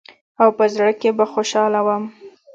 او په زړه کښې به خوشاله وم.